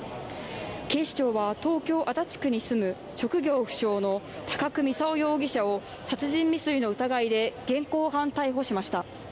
警視庁は東京・足立区に住む職業不詳の高久操容疑者を殺人未遂の疑いで現行犯逮捕しました。